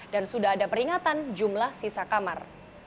dan sudah ada peringatan jumlah sisa kamar